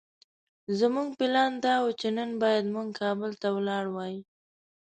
زموږ پلان دا وو چې نن بايد موږ کابل ته ولاړ وای.